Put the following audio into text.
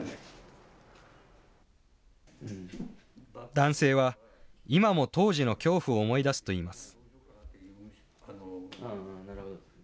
男性は、今も当時の恐怖を思い出すといいます。